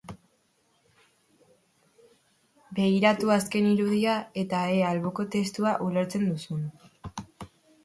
Begiratu azken irudia eta ea alboko testua ulertzen duzun.